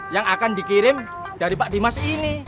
yang akan dikirim dari pak dimas ini